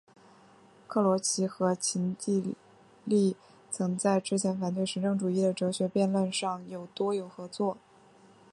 克罗齐和秦梯利曾在之前反对实证主义的哲学论辩上多有合作。